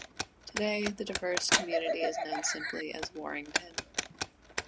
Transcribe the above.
Today, the diverse community is known simply as Warrington.